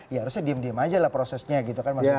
ya harusnya diem diem aja lah prosesnya gitu kan maksudnya